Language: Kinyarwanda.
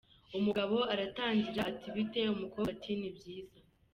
Umugabo aratangira ati bite? Umukobwa ati ni byiza.